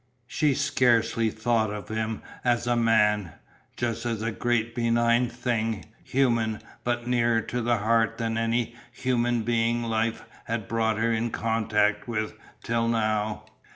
She scarcely thought of him as a man just as a great benign thing, human, but nearer to the heart than any human being life had brought her in contact with till now.